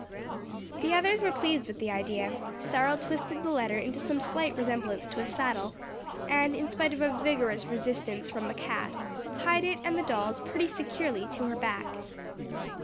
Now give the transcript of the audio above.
The others were pleased with the idea; Cyril twisted the letter into some slight resemblance to a saddle, and in spite of a vigorous resistance from the cat, tied it and the dolls pretty securely to her back.